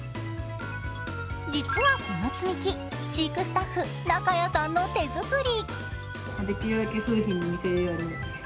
実はこの積み木、飼育スタッフ・中谷さんの手作り。